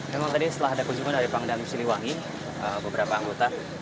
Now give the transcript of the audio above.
memang tadi setelah ada kunjungan dari pangdam siliwangi beberapa anggota